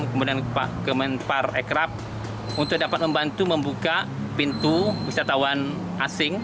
kemudian kemenpar ekrab untuk dapat membantu membuka pintu wisatawan asing